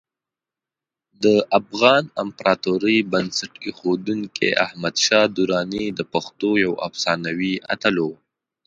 د افغان امپراتورۍ بنسټ ایښودونکی احمدشاه درانی د پښتنو یو افسانوي اتل و.